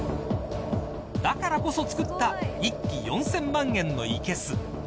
だからこそ作った１基４０００万円のいけす。